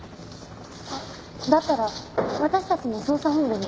だったら私たちも捜査本部に。